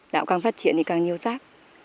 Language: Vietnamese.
đảo càng phát triển thì càng nhiều rác